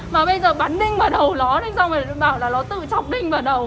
mà bây giờ bắn đinh vào đầu nó xong rồi nó bảo là nó tự chọc đinh vào đầu